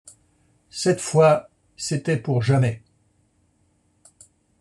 Cette fois, c’était pour jamais.